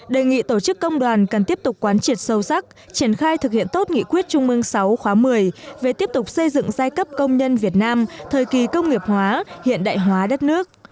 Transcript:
đề nghị tổ chức công đoàn cần tiếp tục quán triệt sâu sắc triển khai thực hiện tốt nghị quyết trung mương sáu khóa một mươi về tiếp tục xây dựng giai cấp công nhân việt nam thời kỳ công nghiệp hóa hiện đại hóa đất nước